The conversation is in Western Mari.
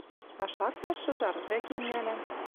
А шакташ, шыжар, вӹкем нӓлӓм».